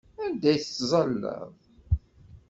Anda ay tettẓallaḍ?